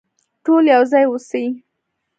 ټول يو ځای اوسئ.